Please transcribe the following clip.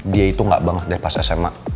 dia itu gak banget lepas sma